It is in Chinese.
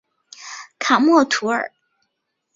卡默图尔。